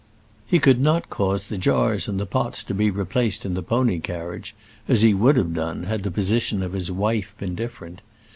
He could not cause the jars and the pots to be replaced in the pony carriage, as he would have done had the position of his wife been different.